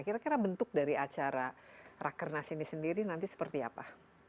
kira kira bentuk dari acara rakernas ini sendiri nanti seperti apa